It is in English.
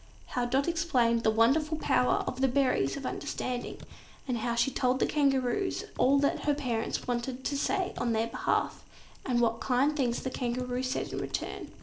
How Dot explained the wonderful power of the berries of understanding, and how she told the Kangaroos all that her parents wanted her to say on their behalf, and what kind things the Kangaroo said in return.